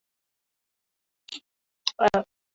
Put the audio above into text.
Bir vaqtlar Boysunga dovon oshib borar edik.